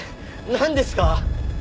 なんですか！？